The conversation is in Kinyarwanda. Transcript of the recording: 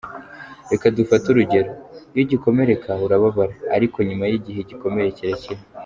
Reka dufate urugero: iyo ugikomereka urababara, ariko nyuma y’igihe igikomere kirakira.